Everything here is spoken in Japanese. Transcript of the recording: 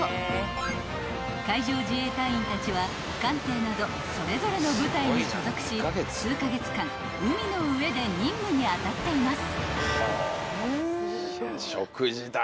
［海上自衛隊員たちは艦艇などそれぞれの部隊に所属し数カ月間海の上で任務に当たっています］